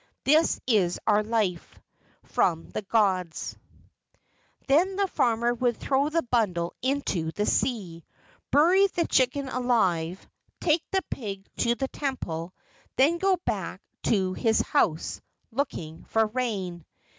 This is our life, From the gods." Then the farmer would throw the bundle into the sea, bury the chicken alive, take the pig to the temple, then go back to his house looking for rain.